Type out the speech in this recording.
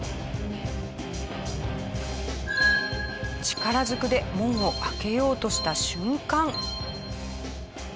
力ずくで門を開けようとした瞬間。